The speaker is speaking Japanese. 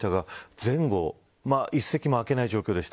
前後、１席も空けない状況でした。